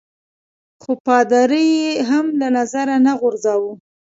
خو پادري يي هم له نظره نه غورځاوه.